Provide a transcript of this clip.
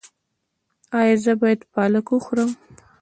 ایا زه باید پالک وخورم؟